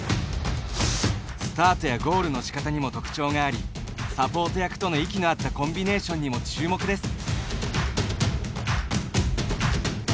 スタートやゴールのしかたにも特徴がありサポート役との息の合ったコンビネーションにも注目です。